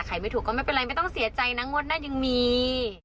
ไม่ถูกก็ไม่เป็นไรไม่ต้องเสียใจนะงวดหน้ายังมี